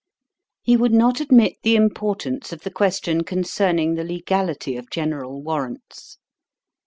He would not admit the importance of the question concerning the legality of general warrants.